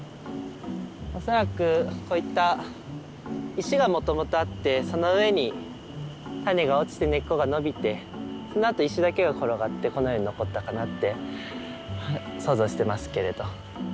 恐らくこういった石がもともとあってその上に種が落ちて根っこが伸びてそのあと石だけが転がってこのように残ったかなって想像してますけれど。